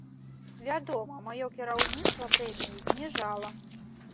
Вядома, маё кіраўніцтва прэміі зніжала.